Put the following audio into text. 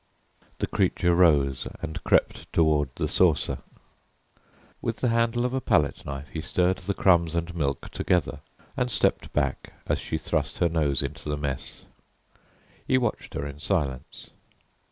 The creature rose and crept toward the saucer. With the handle of a palette knife he stirred the crumbs and milk together and stepped back as she thrust her nose into the mess. He watched her in silence.